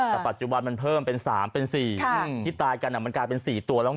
แต่ปัจจุบันมันเพิ่มเป็น๓เป็น๔ที่ตายกันมันกลายเป็น๔ตัวแล้วไง